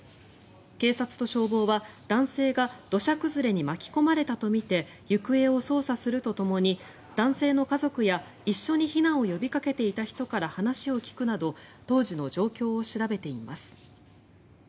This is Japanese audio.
警察と消防は男性が土砂崩れに巻き込まれたとみて行方を捜査するとともに男性の家族や一緒に避難を呼びかけていた人から話を聞くなど当時の状況を調べています。